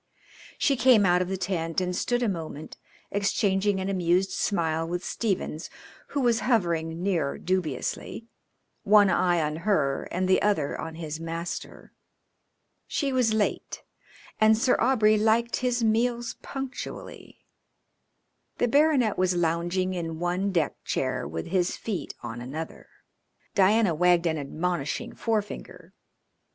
She came out of the tent and stood a moment exchanging an amused smile with Stephens, who was hovering near dubiously, one eye on her and the other on his master. She was late, and Sir Aubrey liked his meals punctually. The baronet was lounging in one deck chair with his feet on another. Diana wagged an admonishing forefinger.